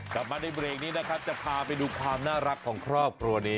กลับมาในเบรกนี้นะครับจะพาไปดูความน่ารักของครอบครัวนี้